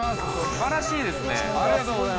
◆すばらしいですね。